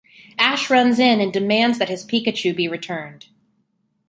Ash runs in and demands that his Pikachu be returned.